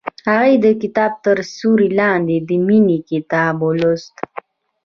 هغې د کتاب تر سیوري لاندې د مینې کتاب ولوست.